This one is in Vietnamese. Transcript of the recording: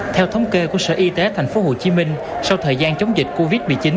theo thống kê của sở y tế tp hcm sau thời gian chống dịch covid một mươi chín